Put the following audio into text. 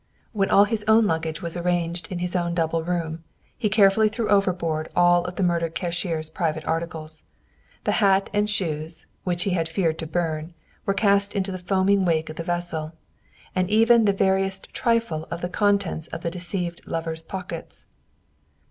When all his own luggage was arranged in his own double room, he carefully threw overboard all of the murdered cashier's private articles. The hat and shoes, which he had feared to burn, were cast into the foaming wake of the vessel, and even the veriest trifle of the contents of the deceived lover's pockets.